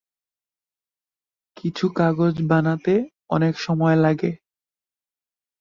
কিছু কাগজ বানাতে অনেক সময় লাগে।